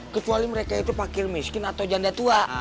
kecuali mereka itu pakil miskin atau janda tua